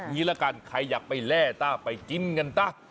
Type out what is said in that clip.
งี้ละกันใครอยากไปแร่ต้าไปกินกันซะ